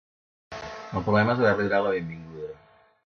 El problema és haver-li donat la benvinguda.